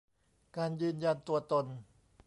การยืนยันตัวตน